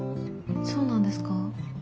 そうなんですか。